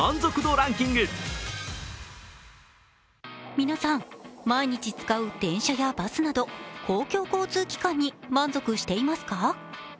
皆さん、毎日使う電車やバスなど公共交通機関に満足していますか？